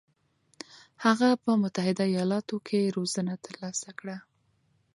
هغه په متحده ایالاتو کې روزنه ترلاسه کړه.